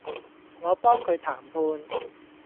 我幫佢談判